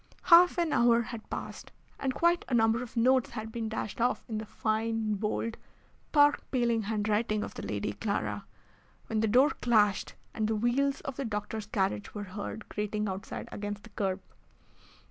Half an hour had passed, and quite a number of notes had been dashed off in the fine, bold, park paling handwriting of the Lady Clara, when the door clashed, and the wheels of the doctor's carriage were heard grating outside against the kerb.